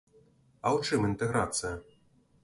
А ў чым інтэграцыя?